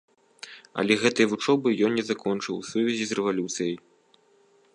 Але гэтай вучобы ён не закончыў у сувязі з рэвалюцыяй.